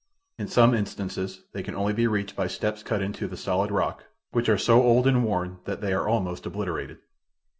In some instances they can only be reached by steps cut into the solid rock, which are so old and worn that they are almost obliterated.